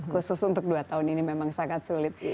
khusus untuk dua tahun ini memang sangat sulit